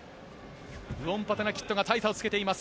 ウオンパタナキットが大差をつけています。